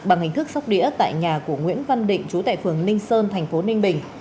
bằng hình thức sóc đĩa tại nhà của nguyễn văn định chú tệ phường ninh sơn tp ninh bình